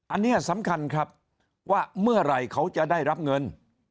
อันนี้สำคัญครับว่าเมื่อไหร่เขาจะได้รับเงิน